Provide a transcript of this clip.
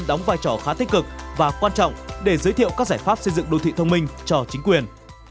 đóng vai trò khá tích cực và quan trọng để giới thiệu các giải pháp xây dựng đô thị thông minh cho chính quyền